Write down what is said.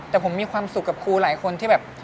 แต่ผมมีความสุขกับครูหลายคนที่แบบ